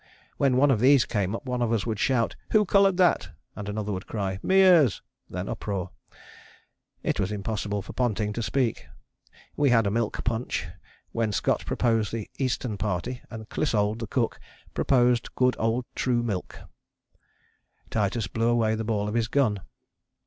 When one of these came up one of us would shout, "Who coloured that," and another would cry, "Meares," then uproar. It was impossible for Ponting to speak. We had a milk punch, when Scott proposed the Eastern Party, and Clissold, the cook, proposed Good Old True Milk. Titus blew away the ball of his gun.